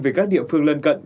về các địa phương lân cận